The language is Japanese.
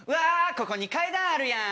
ここに階段あるやん。